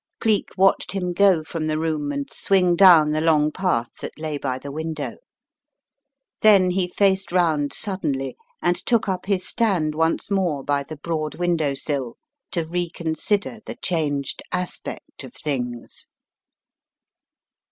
Cleek watched him go from the room and swing down the long path that lay by the window. Then he faced round suddenly and took up his stand onee more by the broad window sill to reconsider the changed aspect of things.